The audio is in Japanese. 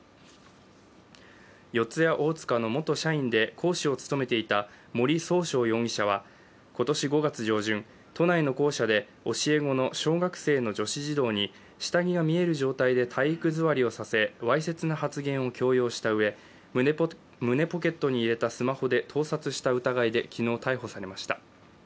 四谷大塚の元社員で講師を務めていた森崇翔容疑者は今年５月上旬都内の校舎で教え子の小学生の女子児童に下着が見える状態で体育座りをさせ、わいせつな発言を強要したうえ、胸ポケットに入れたスマホで盗撮した疑いで昨日、逮捕されました。